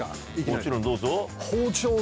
もちろんどうぞ。